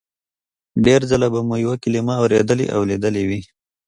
ډېر ځله به مو یوه کلمه اورېدلې او لیدلې وي